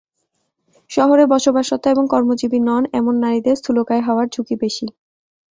শহরে বসবাসরত এবং কর্মজীবী নন, এমন নারীদের স্থূলকায় হওয়ার ঝুঁকি বেশি।